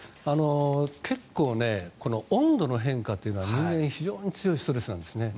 結構温度の変化というのは人間、非常に強いストレスなんですね。